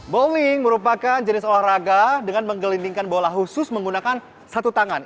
bowling merupakan jenis olahraga dengan menggelindingkan bola khusus menggunakan satu tangan